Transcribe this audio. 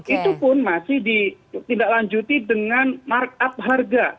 itu pun masih ditindaklanjuti dengan markup harga